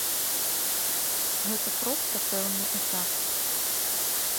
Гэта проста пэўны этап.